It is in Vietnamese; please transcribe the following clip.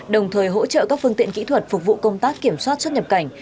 đồng thời hỗ trợ các phương tiện kỹ thuật phục vụ công tác kiểm soát xuất nhập cảnh